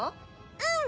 うん！